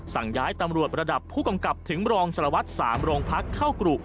สั่งย้ายตำรวจระดับผู้กำกับถึงรองสารวัตร๓โรงพักเข้ากรุ